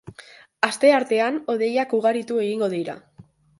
Asteartean hodeiak ugaritu egingo dira.